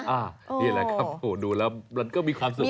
อ้าวนี่แหละครับโหดูแล้วเราก็มีความสุขดีนะ